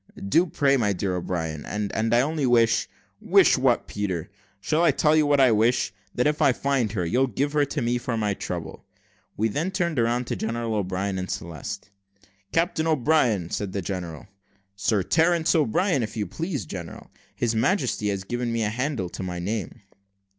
"Do, pray, my dear O'Brien, and I only wish " "Wish what, Peter? shall I tell you what I wish? that if I find her; you'll give her to me for my trouble." We then turned round to General O'Brien and Celeste. "Captain O'Brien," said the general. "Sir Terence O'Brien, if you please, general. His Majesty has given me a handle to my name."